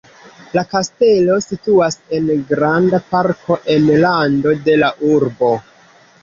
La kastelo situas en granda parko en rando de la urbo.